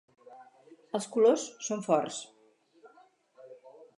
Els colors són forts.